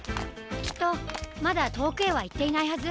きっとまだとおくへはいっていないはず！